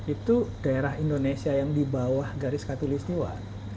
itu daerah indonesia yang di bawah garis katulistiwa